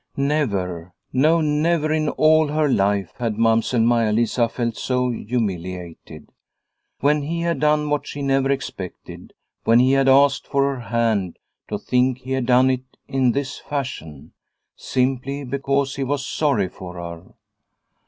Never, no never in all her life had Maia Lisa felt so humiliated. When he had done what she never expected, when he had asked for her The Rest Stone 247 hand, to think he had done it in this fashion ! Simply because he was sorry for her